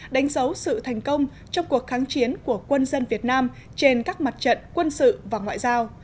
đánh dấu sự thành công trong cuộc kháng chiến của quân dân việt nam trên các mặt trận quân sự và ngoại giao